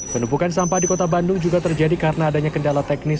penumpukan sampah di kota bandung juga terjadi karena adanya kendala teknis